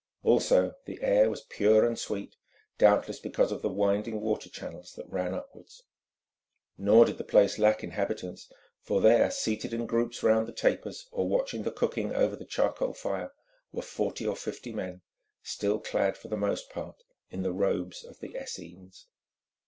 Also the air was pure and sweet, doubtless because of the winding water channels that ran upwards. Nor did the place lack inhabitants, for there, seated in groups round the tapers, or watching the cooking over the charcoal fire, were forty or fifty men, still clad, for the most part, in the robes of the Essenes.